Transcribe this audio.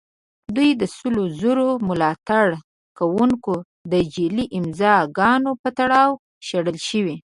دوی د سلو زرو ملاتړ کوونکو د جعلي امضاء ګانو په تور شړل شوي.